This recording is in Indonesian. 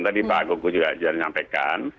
tadi pak kuku juga sudah menyampaikan